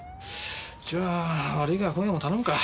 じゃあ悪いが今夜も頼むか。